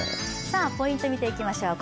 ポイント見て生きましょう。